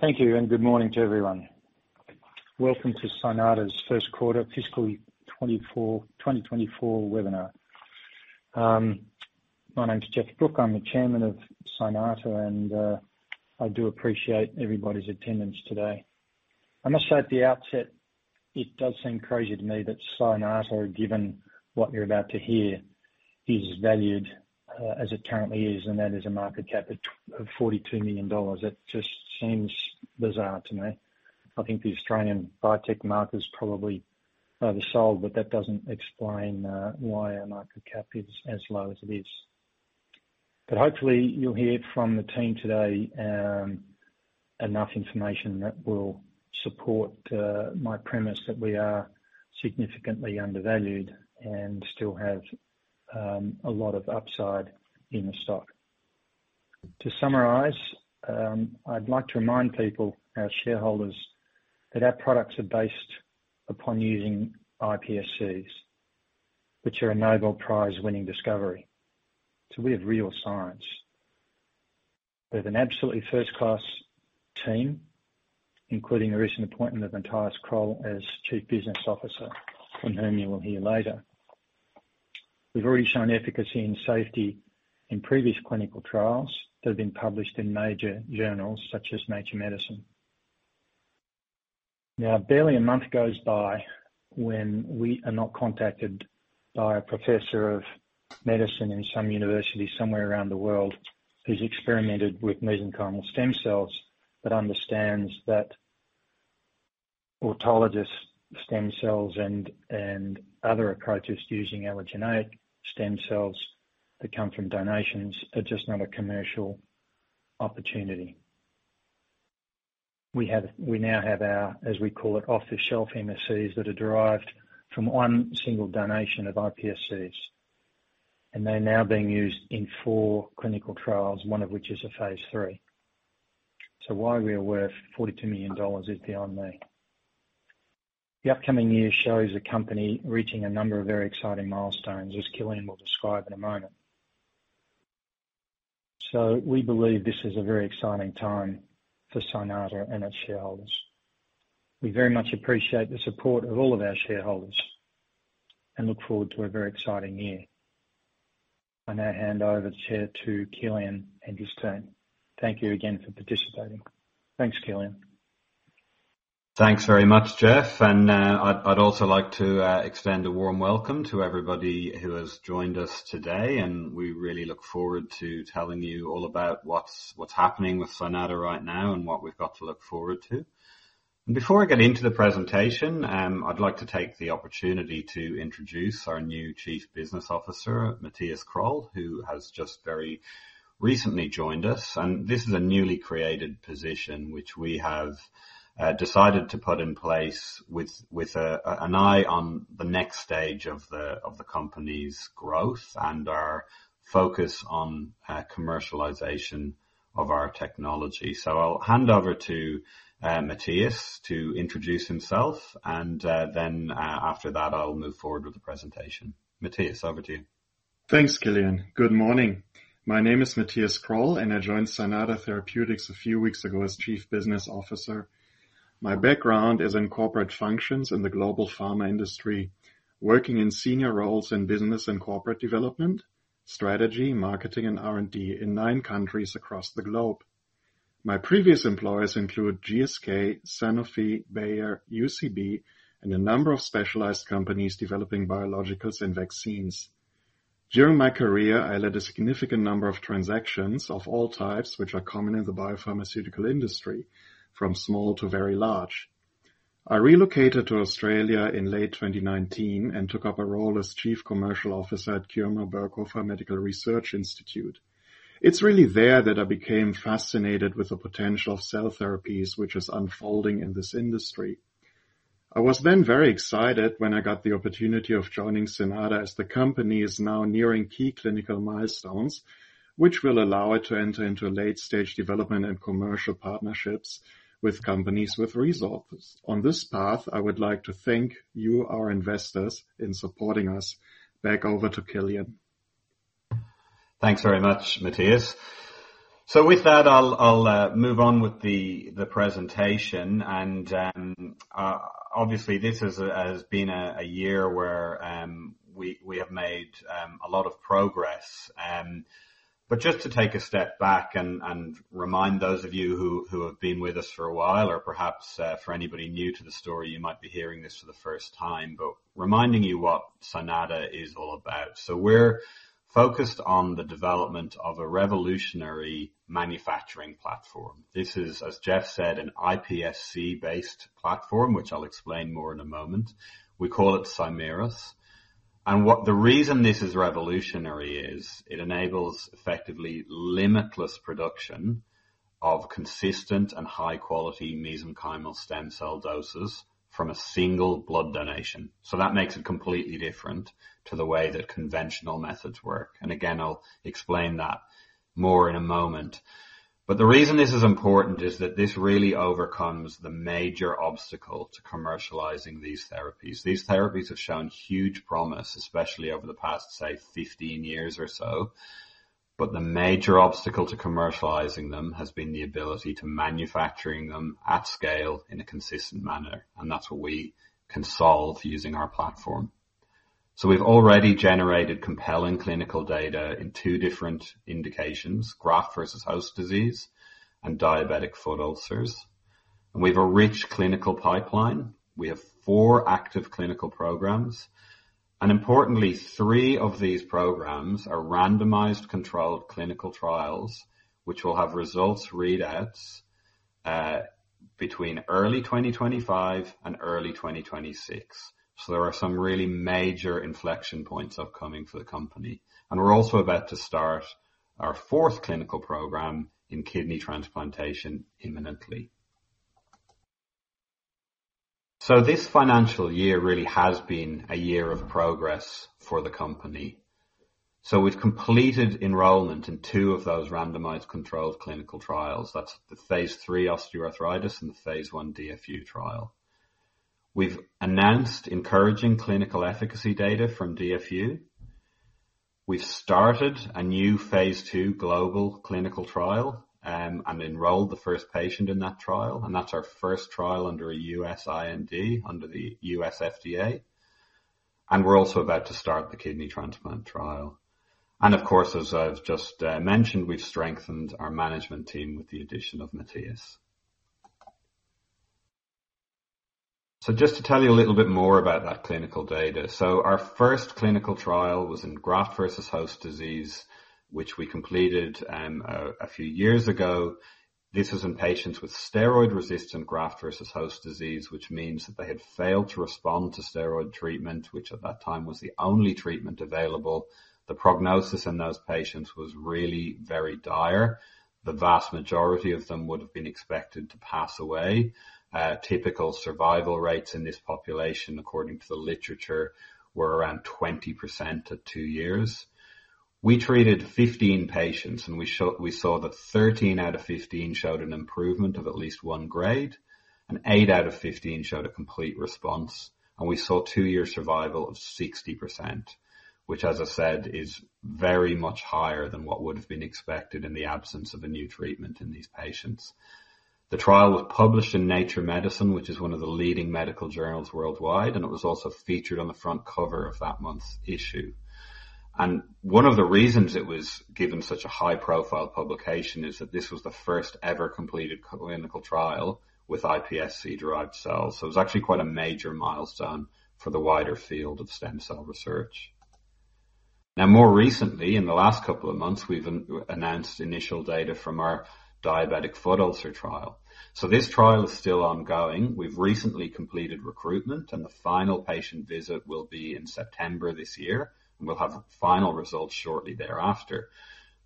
Thank you. Good morning to everyone. Welcome to Cynata's First Quarter Fiscal 2024 Webinar. My name's Geoff Brooke. I'm the chairman of Cynata, and I do appreciate everybody's attendance today. I must say at the outset, it does seem crazy to me that Cynata, given what you're about to hear, is valued as it currently is, and that is a market cap of 42 million dollars. It just seems bizarre to me. I think the Australian biotech market is probably oversold, but that doesn't explain why our market cap is as low as it is. Hopefully, you'll hear from the team today enough information that will support my premise that we are significantly undervalued and still have a lot of upside in the stock. To summarize, I'd like to remind people, our shareholders, that our products are based upon using iPSCs, which are a Nobel Prize-winning discovery. We have real science. We have an absolutely first-class team, including the recent appointment of Mathias Kroll as Chief Business Officer, from whom you will hear later. We've already shown efficacy and safety in previous clinical trials that have been published in major journals such as Nature Medicine. Barely a month goes by when we are not contacted by a professor of medicine in some university somewhere around the world who's experimented with mesenchymal stem cells, but understands that autologous stem cells and other approaches using allogeneic stem cells that come from donations are just not a commercial opportunity. We now have our, as we call it, off-the-shelf MSCs that are derived from one single donation of iPSCs, and they're now being used in four clinical trials, one of which is a phase III. Why we are worth 42 million dollars is beyond me. The upcoming year shows the company reaching a number of very exciting milestones, as Kilian will describe in a moment. We believe this is a very exciting time for Cynata and its shareholders. We very much appreciate the support of all of our shareholders and look forward to a very exciting year. I now hand over the chair to Kilian and his team. Thank you again for participating. Thanks, Kilian. Thanks very much, Geoff. I'd also like to extend a warm welcome to everybody who has joined us today, and we really look forward to telling you all about what's happening with Cynata right now and what we've got to look forward to. Before I get into the presentation, I'd like to take the opportunity to introduce our new Chief Business Officer, Mathias Kroll, who has just very recently joined us. This is a newly created position, which we have decided to put in place with an eye on the next stage of the company's growth and our focus on commercialization of our technology. I'll hand over to Mathias to introduce himself, and then, after that, I'll move forward with the presentation. Mathias, over to you. Thanks, Kilian. Good morning. My name is Mathias Kroll. I joined Cynata Therapeutics a few weeks ago as Chief Business Officer. My background is in corporate functions in the global pharma industry, working in senior roles in business and corporate development, strategy, marketing, and R&D in nine countries across the globe. My previous employers include GSK, Sanofi, Bayer, UCB, and a number of specialized companies developing biologicals and vaccines. During my career, I led a significant number of transactions of all types, which are common in the biopharmaceutical industry, from small to very large. I relocated to Australia in late 2019. I took up a role as Chief Commercial Officer at QIMR Berghofer Medical Research Institute. It's really there that I became fascinated with the potential of cell therapies, which is unfolding in this industry. I was then very excited when I got the opportunity of joining Cynata as the company is now nearing key clinical milestones, which will allow it to enter into late-stage development and commercial partnerships with companies with resources. On this path, I would like to thank you, our investors, in supporting us. Back over to Kilian. Thanks very much, Mathias. With that, I'll move on with the presentation. Obviously, this has been a year where we have made a lot of progress. Just to take a step back and remind those of you who have been with us for a while, or perhaps for anybody new to the story, you might be hearing this for the first time, but reminding you what Cynata is all about. We're focused on the development of a revolutionary manufacturing platform. This is, as Geoff said, an iPSC-based platform, which I'll explain more in a moment. We call it Cymerus. The reason this is revolutionary is it enables effectively limitless production of consistent and high-quality mesenchymal stem cell doses from a single blood donation. That makes it completely different to the way that conventional methods work. Again, I'll explain that more in a moment. The reason this is important is that this really overcomes the major obstacle to commercializing these therapies. These therapies have shown huge promise, especially over the past, say, 15 years or so. The major obstacle to commercializing them has been the ability to manufacturing them at scale in a consistent manner, and that's what we can solve using our platform. We've already generated compelling clinical data in two different indications, graft versus host disease and diabetic foot ulcers. We've a rich clinical pipeline. We have four active clinical programs, and importantly, three of these programs are randomized controlled clinical trials, which will have results readouts between early 2025 and early 2026. There are some really major inflection points upcoming for the company. We're also about to start our fourth clinical program in kidney transplantation imminently. This financial year really has been a year of progress for the company. We've completed enrollment in two of those randomized controlled clinical trials. That's the phase III osteoarthritis and the phase I DFU trial. We've announced encouraging clinical efficacy data from DFU. We've started a new phase II global clinical trial, and enrolled the first patient in that trial, and that's our first trial under a U.S. IND under the U.S. FDA. We're also about to start the kidney transplant trial. Of course, as I've just mentioned, we've strengthened our management team with the addition of Mathias. Just to tell you a little bit more about that clinical data. Our first clinical trial was in graft versus host disease, which we completed a few years ago. This was in patients with steroid-resistant graft versus host disease, which means that they had failed to respond to steroid treatment, which at that time was the only treatment available. The prognosis in those patients was really very dire. The vast majority of them would have been expected to pass away. Typical survival rates in this population, according to the literature, were around 20% at two years. We treated 15 patients, and we saw that 13 out of 15 showed an improvement of at least grade 1, and eight out of 15 showed a complete response. We saw two-year survival of 60%, which, as I said, is very much higher than what would have been expected in the absence of a new treatment in these patients. The trial was published in "Nature Medicine," which is one of the leading medical journals worldwide, and it was also featured on the front cover of that month's issue. One of the reasons it was given such a high-profile publication is that this was the first ever completed clinical trial with iPSC-derived cells. It was actually quite a major milestone for the wider field of stem cell research. Now, more recently, in the last couple of months, we've announced initial data from our diabetic foot ulcer trial. This trial is still ongoing. We've recently completed recruitment, and the final patient visit will be in September this year, and we'll have final results shortly thereafter.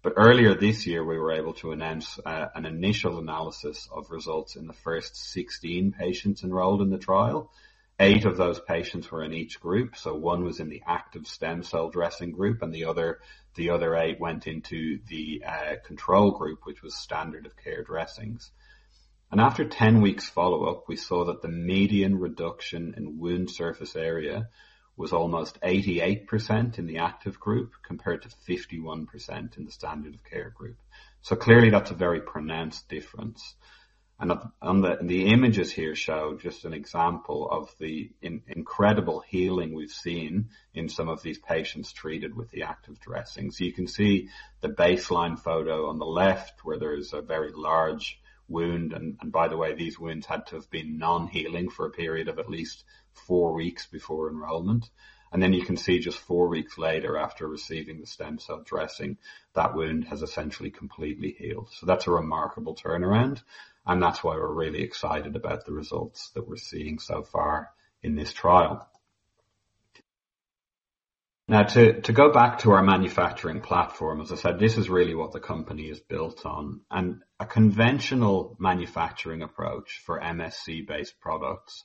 Earlier this year, we were able to announce an initial analysis of results in the first 16 patients enrolled in the trial. Eight of those patients were in each group. One was in the active stem cell dressing group and the other eight went into the control group, which was standard of care dressings. After 10 weeks follow-up, we saw that the median reduction in wound surface area was almost 88% in the active group, compared to 51% in the standard of care group. Clearly that's a very pronounced difference. The images here show just an example of the incredible healing we've seen in some of these patients treated with the active dressing. You can see the baseline photo on the left where there is a very large wound, and by the way, these wounds had to have been non-healing for a period of at least four weeks before enrollment. You can see just four weeks later, after receiving the stem cell dressing, that wound has essentially completely healed. That's a remarkable turnaround, and that's why we're really excited about the results that we're seeing so far in this trial. To go back to our manufacturing platform, as I said, this is really what the company is built on. A conventional manufacturing approach for MSC-based products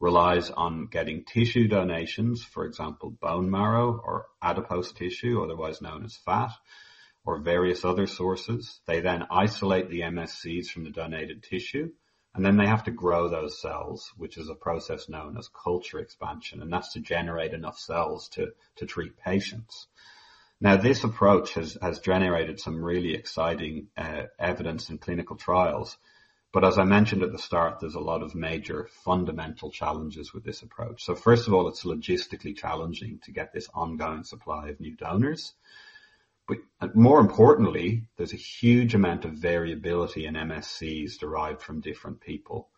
relies on getting tissue donations, for example, bone marrow or adipose tissue, otherwise known as fat, or various other sources. They then isolate the MSCs from the donated tissue, and then they have to grow those cells, which is a process known as culture expansion, and that's to generate enough cells to treat patients. This approach has generated some really exciting evidence in clinical trials, but as I mentioned at the start, there's a lot of major fundamental challenges with this approach. First of all, it's logistically challenging to get this ongoing supply of new donors. More importantly, there's a huge amount of variability in MSCs derived from different people.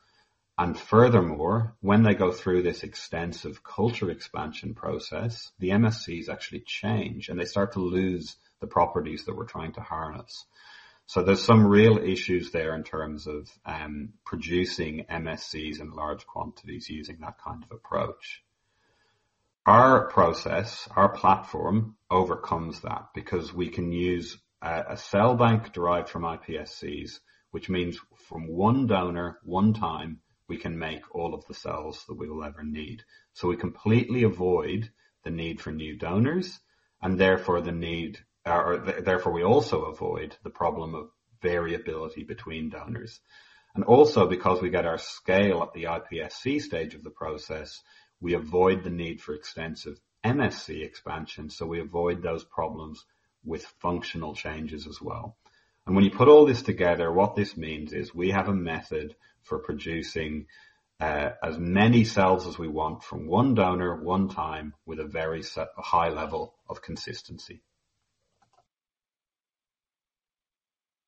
Furthermore, when they go through this extensive culture expansion process, the MSCs actually change, and they start to lose the properties that we're trying to harness. There's some real issues there in terms of producing MSCs in large quantities using that kind of approach. Our process, our platform overcomes that because we can use a cell bank derived from iPSCs, which means from one donor, one time, we can make all of the cells that we will ever need. We completely avoid the need for new donors and therefore we also avoid the problem of variability between donors. Also because we get our scale at the iPSC stage of the process, we avoid the need for extensive MSC expansion, so we avoid those problems with functional changes as well. When you put all this together, what this means is we have a method for producing as many cells as we want from one donor, one time, with a very high level of consistency.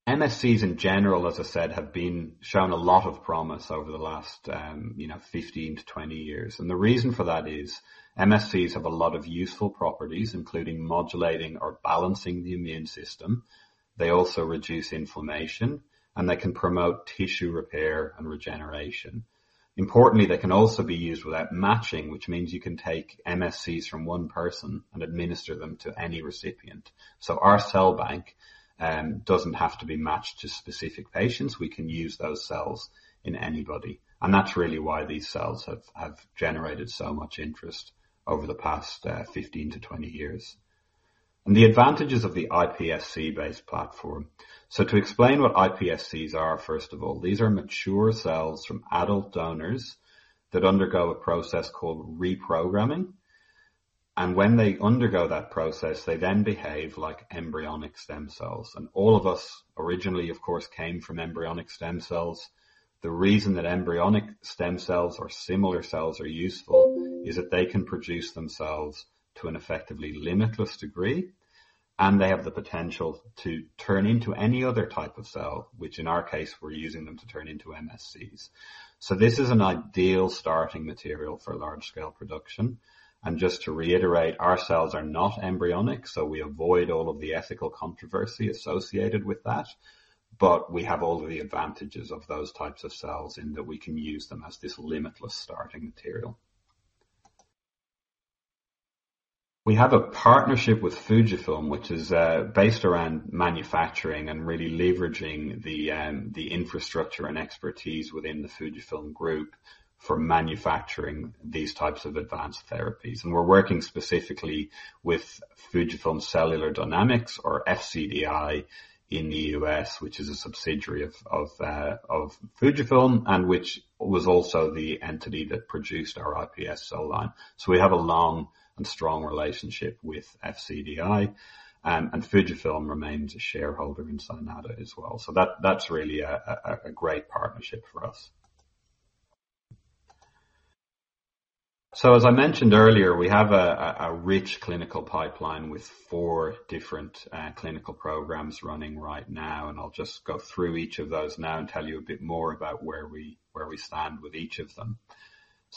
MSCs in general, as I said, have been shown a lot of promise over the last 15 to 20 years. The reason for that is MSCs have a lot of useful properties, including modulating or balancing the immune system. They also reduce inflammation, and they can promote tissue repair and regeneration. Importantly, they can also be used without matching, which means you can take MSCs from one person and administer them to any recipient. Our cell bank doesn't have to be matched to specific patients. We can use those cells in anybody, and that's really why these cells have generated so much interest over the past 15 to 20 years. The advantages of the iPSC-based platform. To explain what iPSCs are, first of all, these are mature cells from adult donors that undergo a process called reprogramming. When they undergo that process, they then behave like embryonic stem cells. All of us originally, of course, came from embryonic stem cells. The reason that embryonic stem cells or similar cells are useful is that they can produce themselves to an effectively limitless degree, and they have the potential to turn into any other type of cell, which in our case, we're using them to turn into MSCs. This is an ideal starting material for large scale production. Just to reiterate, our cells are not embryonic, so we avoid all of the ethical controversy associated with that. We have all of the advantages of those types of cells in that we can use them as this limitless starting material. We have a partnership with Fujifilm, which is based around manufacturing and really leveraging the infrastructure and expertise within the Fujifilm group for manufacturing these types of advanced therapies. We're working specifically with Fujifilm Cellular Dynamics, or FCDI, in the U.S., which is a subsidiary of Fujifilm and which was also the entity that produced our iPS cell line. We have a long and strong relationship with FCDI, and Fujifilm remains a shareholder in Cynata as well. That's really a great partnership for us. As I mentioned earlier, we have a rich clinical pipeline with four different clinical programs running right now, and I'll just go through each of those now and tell you a bit more about where we stand with each of them.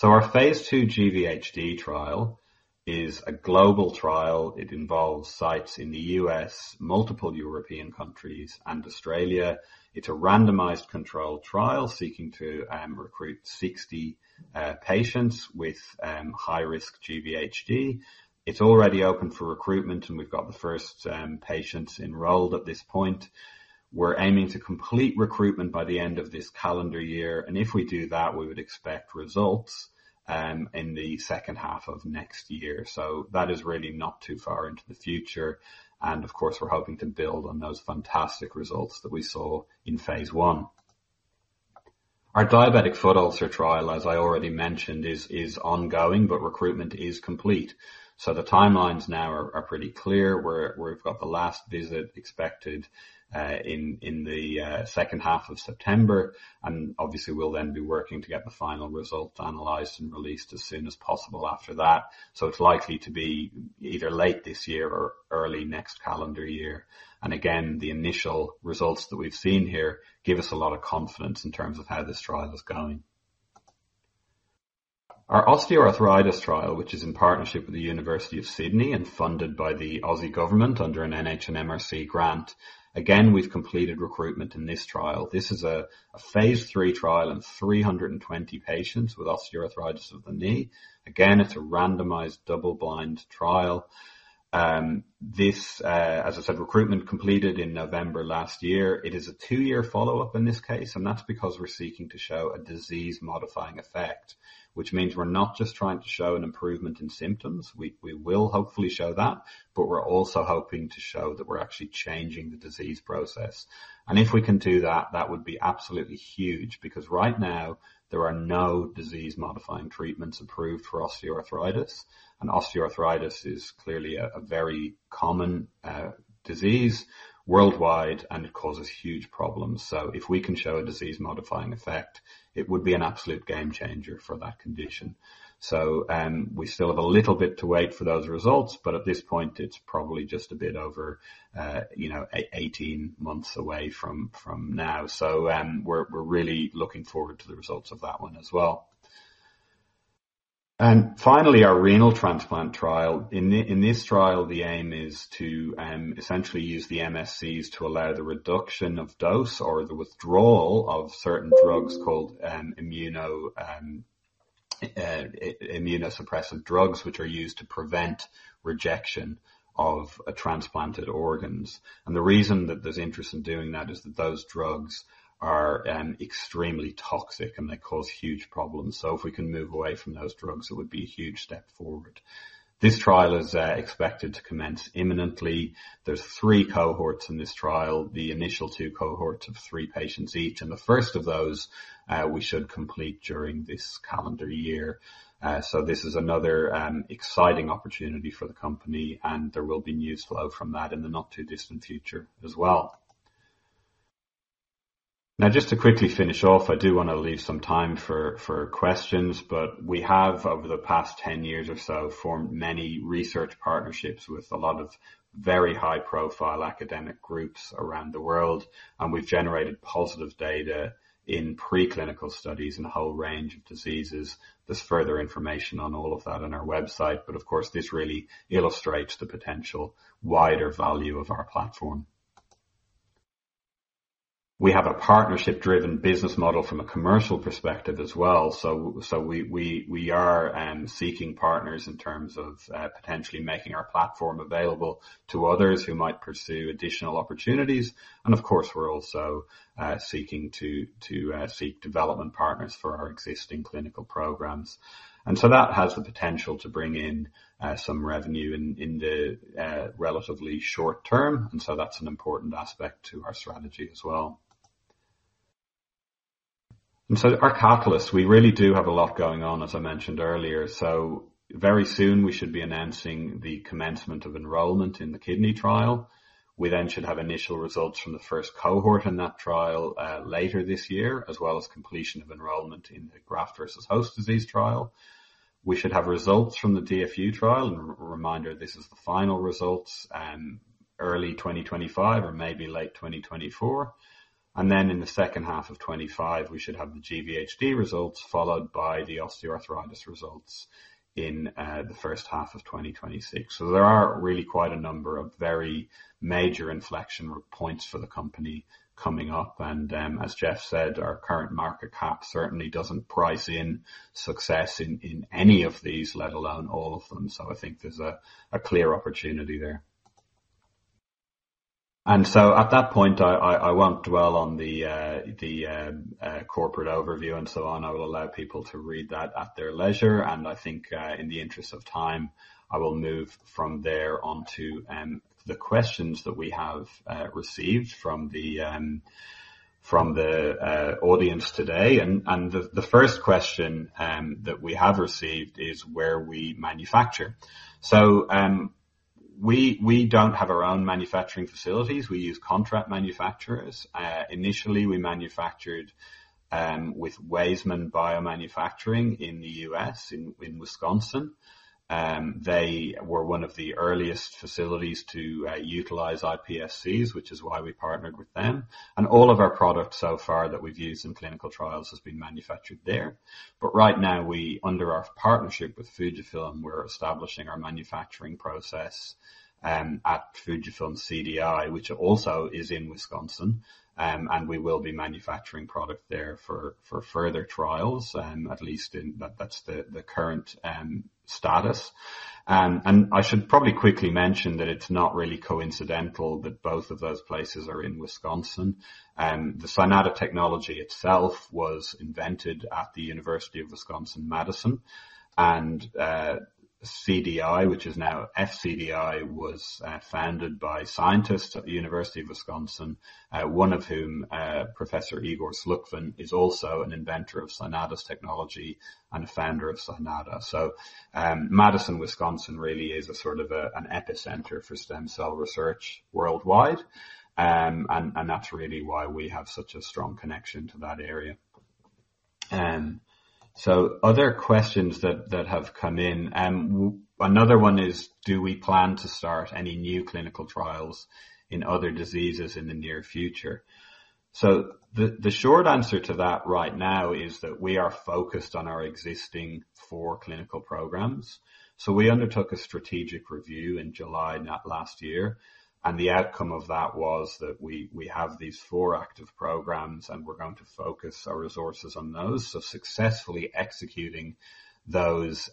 Our phase II GVHD trial is a global trial. It involves sites in the U.S., multiple European countries, and Australia. It's a randomized controlled trial seeking to recruit 60 patients with high-risk GVHD. It's already open for recruitment, and we've got the first patients enrolled at this point. We're aiming to complete recruitment by the end of this calendar year. If we do that, we would expect results in the second half of next year. That is really not too far into the future. Of course, we're hoping to build on those fantastic results that we saw in phase I. Our diabetic foot ulcer trial, as I already mentioned, is ongoing, but recruitment is complete. The timelines now are pretty clear. We've got the last visit expected in the second half of September, and obviously, we'll then be working to get the final results analyzed and released as soon as possible after that. It's likely to be either late this year or early next calendar year. Again, the initial results that we've seen here give us a lot of confidence in terms of how this trial is going. Our osteoarthritis trial, which is in partnership with the University of Sydney and funded by the Aussie government under an NHMRC grant. Again, we've completed recruitment in this trial. This is a phase III trial in 320 patients with osteoarthritis of the knee. Again, it's a randomized double-blind trial. This, as I said, recruitment completed in November last year. It is a two-year follow-up in this case, and that's because we're seeking to show a disease-modifying effect. Which means we're not just trying to show an improvement in symptoms, we will hopefully show that, but we're also hoping to show that we're actually changing the disease process. If we can do that would be absolutely huge because right now, there are no disease-modifying treatments approved for osteoarthritis. Osteoarthritis is clearly a very common disease worldwide, and it causes huge problems. If we can show a disease-modifying effect, it would be an absolute game changer for that condition. We still have a little bit to wait for those results, but at this point, it's probably just a bit over 18 months away from now. We're really looking forward to the results of that one as well. Finally, our renal transplant trial. In this trial, the aim is to essentially use the MSCs to allow the reduction of dose or the withdrawal of certain drugs called immunosuppressive drugs, which are used to prevent rejection of transplanted organs. The reason that there's interest in doing that is that those drugs are extremely toxic, and they cause huge problems. If we can move away from those drugs, it would be a huge step forward. This trial is expected to commence imminently. There's three cohorts in this trial. The initial two cohorts of three patients each. The first of those, we should complete during this calendar year. This is another exciting opportunity for the company, and there will be news flow from that in the not-too-distant future as well. Now, just to quickly finish off, I do want to leave some time for questions, we have, over the past 10 years or so, formed many research partnerships with a lot of very high-profile academic groups around the world. We've generated positive data in preclinical studies in a whole range of diseases. There's further information on all of that on our website, of course, this really illustrates the potential wider value of our platform. We have a partnership-driven business model from a commercial perspective as well. We are seeking partners in terms of potentially making our platform available to others who might pursue additional opportunities. Of course, we're also seeking to seek development partners for our existing clinical programs. That has the potential to bring in some revenue in the relatively short term, and so that's an important aspect to our strategy as well. Our catalysts, we really do have a lot going on, as I mentioned earlier. Very soon we should be announcing the commencement of enrollment in the kidney trial. We should have initial results from the first cohort in that trial later this year, as well as completion of enrollment in the graft versus host disease trial. We should have results from the DFU trial, and a reminder, this is the final results, early 2025 or maybe late 2024. In the second half of 2025, we should have the GVHD results followed by the osteoarthritis results in the first half of 2026. There are really quite a number of very major inflection points for the company coming up. As Geoff said, our current market cap certainly doesn't price in success in any of these, let alone all of them. I think there's a clear opportunity there. At that point, I won't dwell on the corporate overview and so on. I will allow people to read that at their leisure. I think, in the interest of time, I will move from there on to the questions that we have received from the audience today. The first question that we have received is where we manufacture. We don't have our own manufacturing facilities. We use contract manufacturers. Initially, we manufactured with Waisman Biomanufacturing in the U.S., in Wisconsin. They were one of the earliest facilities to utilize iPSCs, which is why we partnered with them. All of our products so far that we've used in clinical trials has been manufactured there. Right now, under our partnership with Fujifilm, we're establishing our manufacturing process at Fujifilm CDI, which also is in Wisconsin. We will be manufacturing product there for further trials, at least that's the current status. I should probably quickly mention that it's not really coincidental that both of those places are in Wisconsin. The Cynata technology itself was invented at the University of Wisconsin-Madison, and CDI, which is now FCDI, was founded by scientists at the University of Wisconsin, one of whom, Professor Igor Slukvin, is also an inventor of Cynata's technology and a founder of Cynata. Madison, Wisconsin, really is a sort of an epicenter for stem cell research worldwide. That's really why we have such a strong connection to that area. Other questions that have come in. Another one is do we plan to start any new clinical trials in other diseases in the near future? The short answer to that right now is that we are focused on our existing four clinical programs. We undertook a strategic review in July last year, and the outcome of that was that we have these four active programs, and we're going to focus our resources on those. Successfully executing those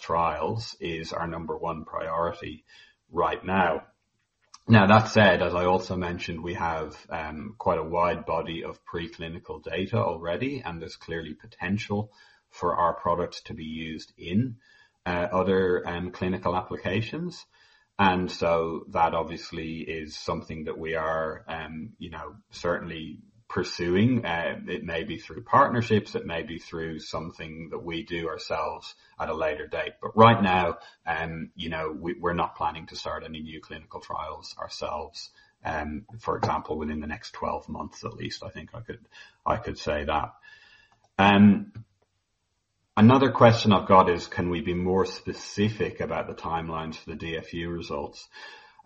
trials is our number one priority right now. Now, that said, as I also mentioned, we have quite a wide body of preclinical data already, and there's clearly potential for our products to be used in other clinical applications. That obviously is something that we are certainly pursuing. It may be through partnerships, it may be through something that we do ourselves at a later date. Right now, we're not planning to start any new clinical trials ourselves. For example, within the next 12 months at least, I think I could say that. Another question I've got is can we be more specific about the timelines for the DFU results?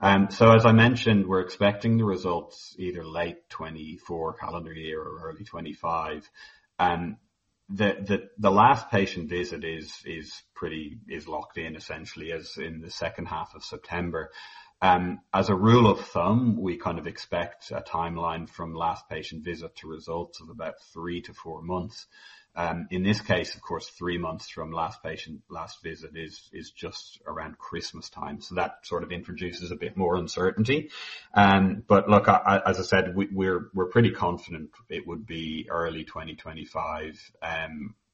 As I mentioned, we're expecting the results either late 2024 calendar year or early 2025. The last patient visit is locked in essentially as in the second half of September. As a rule of thumb, we kind of expect a timeline from last patient visit to results of about three to four months. In this case, of course, three months from last visit is just around Christmas time, so that sort of introduces a bit more uncertainty. Look, as I said, we're pretty confident it would be early 2025,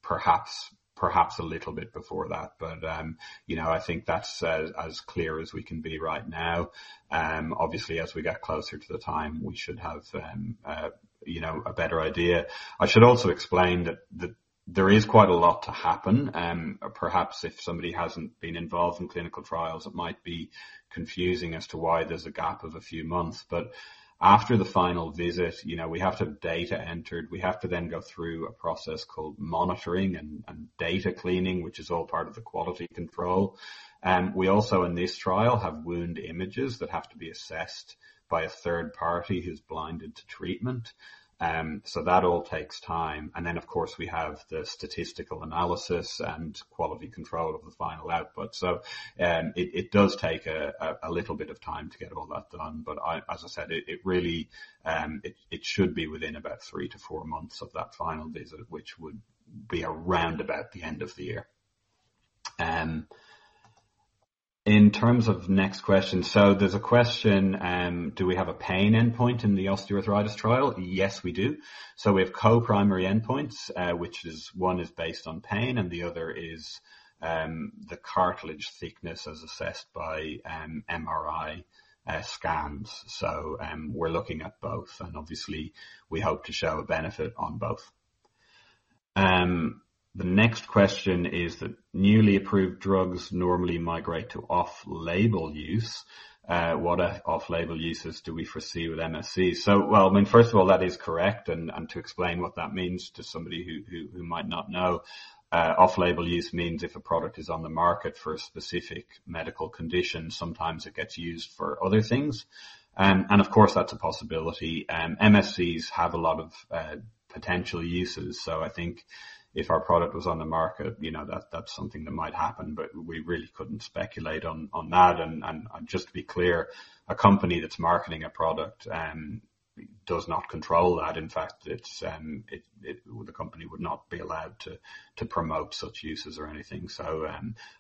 perhaps a little bit before that. I think that's as clear as we can be right now. Obviously, as we get closer to the time, we should have a better idea. I should also explain that there is quite a lot to happen. Perhaps if somebody hasn't been involved in clinical trials, it might be confusing as to why there's a gap of a few months. After the final visit, we have to have data entered. We have to then go through a process called monitoring and data cleaning, which is all part of the quality control. We also, in this trial, have wound images that have to be assessed by a third party who's blinded to treatment. That all takes time. Then, of course, we have the statistical analysis and quality control of the final output. It does take a little bit of time to get all that done. As I said, it should be within about three to four months of that final visit, which would be around about the end of the year. In terms of next question. There's a question, do we have a pain endpoint in the osteoarthritis trial? Yes, we do. We have co-primary endpoints, which is one is based on pain and the other is the cartilage thickness as assessed by MRI scans. We're looking at both, and obviously, we hope to show a benefit on both. The next question is that newly approved drugs normally migrate to off-label use. What off-label uses do we foresee with MSCs? First of all, that is correct, and to explain what that means to somebody who might not know, off-label use means if a product is on the market for a specific medical condition, sometimes it gets used for other things. Of course, that's a possibility. MSCs have a lot of potential uses. I think if our product was on the market, that's something that might happen, but we really couldn't speculate on that. Just to be clear, a company that's marketing a product does not control that. In fact, the company would not be allowed to promote such uses or anything.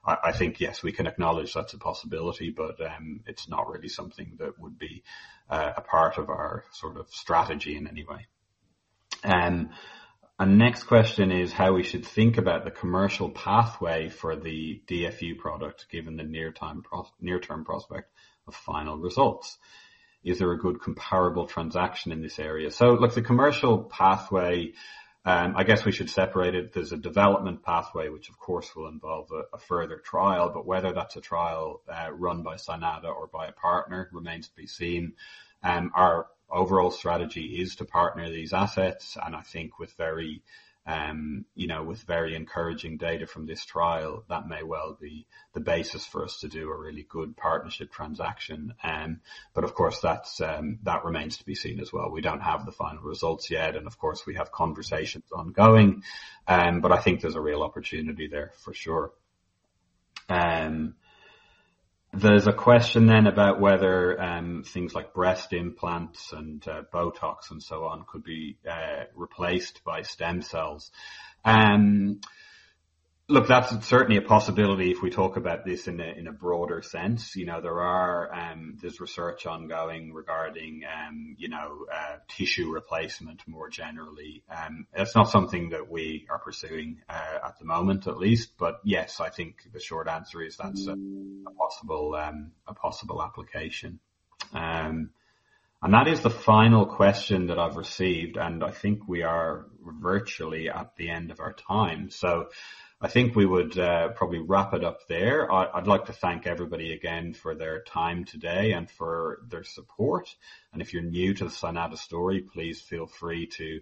I think, yes, we can acknowledge that's a possibility, but it's not really something that would be a part of our sort of strategy in any way. A next question is how we should think about the commercial pathway for the DFU product, given the near-term prospect of final results. Is there a good comparable transaction in this area? Look, the commercial pathway, I guess we should separate it. There's a development pathway, which of course, will involve a further trial, but whether that's a trial run by Cynata or by a partner remains to be seen. Our overall strategy is to partner these assets, and I think with very encouraging data from this trial, that may well be the basis for us to do a really good partnership transaction. Of course, that remains to be seen as well. We don't have the final results yet, and of course, we have conversations ongoing, but I think there's a real opportunity there for sure. There's a question then about whether things like breast implants and BOTOX and so on could be replaced by stem cells. Look, that's certainly a possibility if we talk about this in a broader sense. There's research ongoing regarding tissue replacement more generally. It's not something that we are pursuing at the moment at least. Yes, I think the short answer is that's a possible application. That is the final question that I've received, and I think we are virtually at the end of our time. I think we would probably wrap it up there. I'd like to thank everybody again for their time today and for their support. If you're new to the Cynata story, please feel free to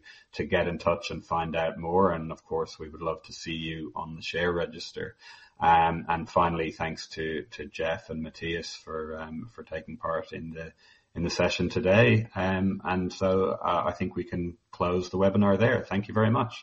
get in touch and find out more. Of course, we would love to see you on the share register. Finally, thanks to Geoff and Mathias for taking part in the session today. I think we can close the webinar there. Thank you very much.